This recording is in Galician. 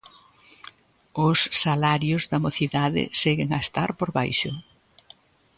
Os salarios da mocidade seguen a estar por baixo.